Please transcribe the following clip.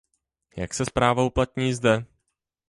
Jak se zpráva uplatní zde?